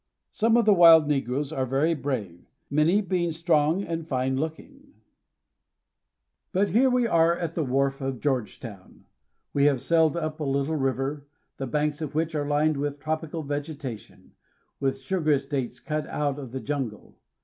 Some of the wild negroes are very brave, many being strong and fine looking. •* We see their thatched huts everywhere.' But here we are at the wharf of Georgetown. We have sailed up a little river, the banks of which are lined with tropical vegetatfon, with sugar estates cut out of the jun gle.